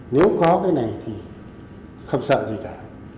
nếu có cái này thì không sợ gì cả